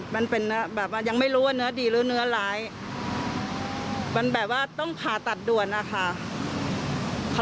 มันเป็นแบบว่ายังไม่รู้ว่าเนื้อดีหรือเนื้อร้ายมันแบบว่าต้องผ่าตัดด่วนนะคะ